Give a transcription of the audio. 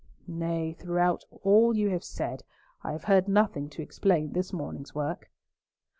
"Nay, throughout all you have said, I have heard nothing to explain this morning's work."